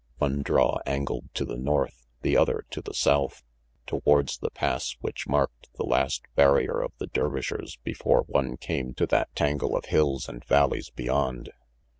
One draw angled to the north, the other to the south, towards the Pass which marked the last barrier of the Dervishers before one came to that tangle of hills and valleys beyond.